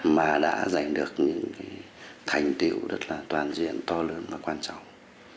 mà đã giành được những thành tiệu rất là toàn diện to lớn và quan trọng